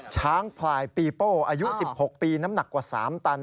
ช้างพลายปีโป้อายุ๑๖ปีน้ำหนักกว่า๓ตัน